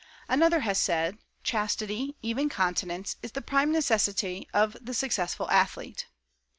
Another has said: "Chastity, even continence, is the prime necessity of the successful athlete."